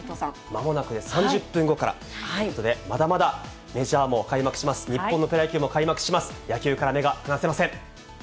まもなく、３０分後からということで、まだまだメジャーも開幕します、日本のプロ野球も開幕します。